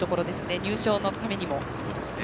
入賞のためにも。